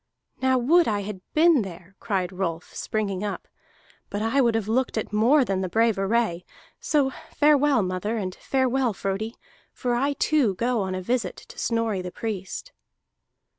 "Now, would I had been there!" cried Rolf, springing up. "But I would have looked at more than the brave array. So farewell, mother, and farewell, Frodi, for I too go on a visit to Snorri the Priest."